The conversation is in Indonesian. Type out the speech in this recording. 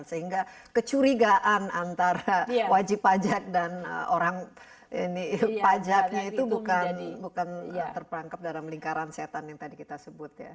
sehingga kecurigaan antara wajib pajak dan orang pajaknya itu bukan terperangkap dalam lingkaran setan yang tadi kita sebut ya